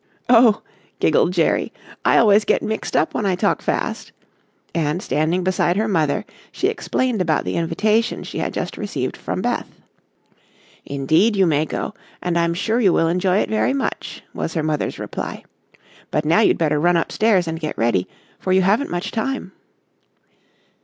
"Oh," giggled Jerry, "I always get mixed up when I talk fast," and standing beside her mother, she explained about the invitation she had just received from Beth. "Indeed you may go, and I'm sure you will enjoy it very much," was her mother's reply. "But now you'd better run upstairs and get ready, for you haven't much time."